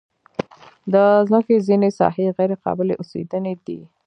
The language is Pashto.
د مځکې ځینې ساحې غیر قابلې اوسېدنې دي.